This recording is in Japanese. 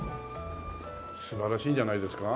素晴らしいんじゃないですか？